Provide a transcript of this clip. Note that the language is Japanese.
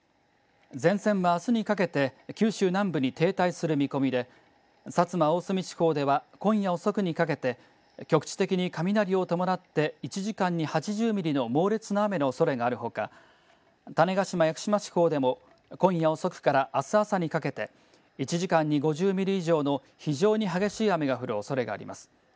前線は、あすにかけて九州南部に停滞する見込みで薩摩大隅地方では今夜遅くにかけて局地的に雷を伴って１時間に８０ミリの猛烈な雨のおそれがあるほか種子島、屋久島地方でも今夜遅くからあす朝にかけて１時間に５０ミリ以上の非常に激しい雨が降るおそれがあります。